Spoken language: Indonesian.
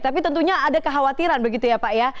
tapi tentunya ada kekhawatiran begitu ya pak ya